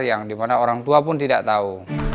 yang dimana orang tua pun tidak tahu